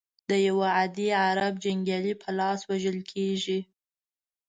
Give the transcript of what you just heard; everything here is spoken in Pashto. د یوه عادي عرب جنګیالي په لاس وژل کیږي.